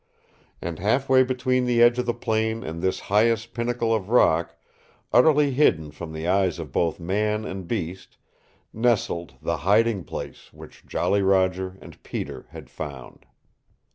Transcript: And half way between the edge of the plain and this highest pinnacle of rock, utterly hidden from the eyes of both man and beast, nestled the hiding place which Jolly Roger and Peter had found.